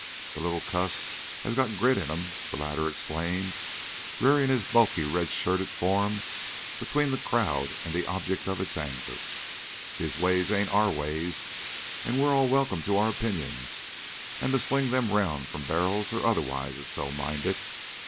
"The little cus has got grit in him," the latter explained, rearing his bulky red shirted form between the crowd and the object of its anger. "His ways ain't our ways, and we're all welcome to our opinions, and to sling them round from barrels or otherwise if so minded.